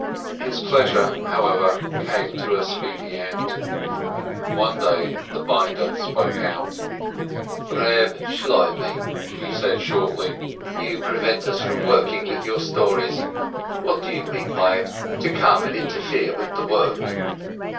His pleasure, however, came 'to a speedy end. One day the binder spoke out. "Eeb Shloimeh," he said shortly, "you prevent us from working with your stories. What do you mean by it? You come and interfere with the work."